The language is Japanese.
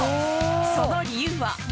その理由は。